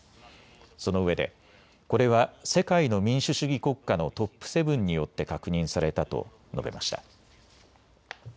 そのうえでこれは世界の民主主義国家のトップ７によって確認されたと述べました。